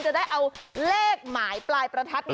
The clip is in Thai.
จะได้เอาเลขหมายปลายประทัด